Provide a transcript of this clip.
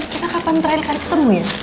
kita kapan terakhir kali ketemu ya